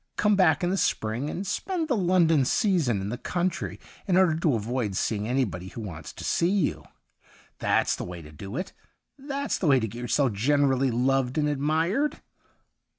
Come back in the spring and spend the London season in the country in order to avoid seeing anybody who wants to see you. 139 THE UNDYING THING That's the way to do it ; that's the way to get yourself generally loved and admired